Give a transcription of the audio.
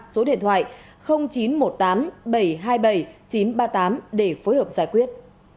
số điện thoại chín trăm một mươi tám bảy trăm hai mươi bảy chín trăm ba mươi tám để phối hợp giải quyết